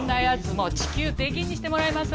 もう地球出禁にしてもらえます？